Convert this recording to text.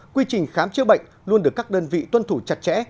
quy trình khám chữa bệnh luôn được các đơn vị tuân thủ chặt chẽ